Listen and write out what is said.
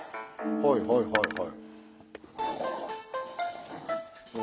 はいはいはいはい。